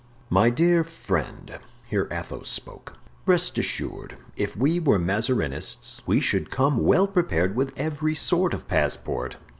"My dear friend," here Athos spoke, "rest assured, if we were Mazarinists we should come well prepared with every sort of passport.